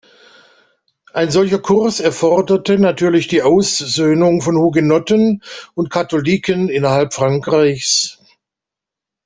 Ein solcher Kurs erforderte natürlich die Aussöhnung von Hugenotten und Katholiken innerhalb Frankreichs.